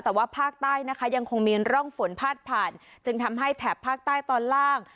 แต่ว่าภาคใต้นะคะยังคงมีร่องฝนพาดผ่านจึงทำให้แถบภาคใต้ตอนล่าง